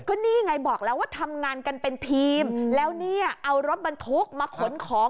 ก็นี่ไงบอกแล้วว่าทำงานกันเป็นทีมแล้วเนี่ยเอารถบรรทุกมาขนของ